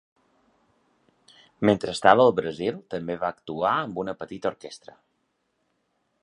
Mentre estava al Brasil, també va actuar amb una petita orquestra.